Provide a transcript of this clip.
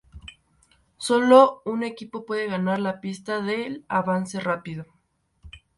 Sólo un equipo puede ganar la pista del Avance Rápido.